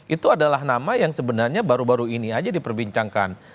itu adalah nama yang sebenarnya baru baru ini aja diperbincangkan